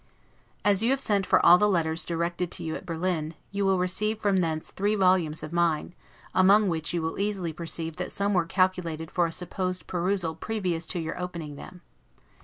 As you have sent for all the letters directed to you at Berlin, you will receive from thence volumes of mine, among which you will easily perceive that some were calculated for a supposed perusal previous to your opening them.